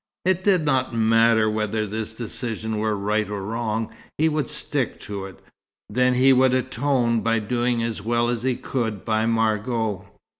It did not matter whether this decision were right or wrong, he would stick to it. Then, he would atone by doing as well as he could by Margot.